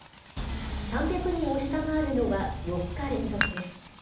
３００人を下回るのは４日連続です。